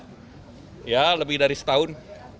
ya lebih dari setahun